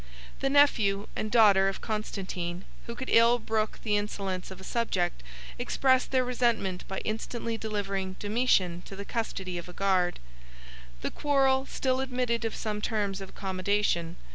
The nephew and daughter of Constantine, who could ill brook the insolence of a subject, expressed their resentment by instantly delivering Domitian to the custody of a guard. The quarrel still admitted of some terms of accommodation.